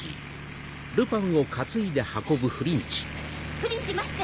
フリンチ待って！